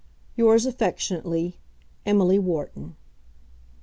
Yours affectionately, EMILY WHARTON.